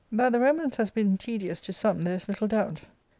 That the romance has been tedious to some there is little doubt.